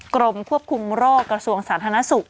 กรมควบคุมโรคกระทรวงสถานะศุกร์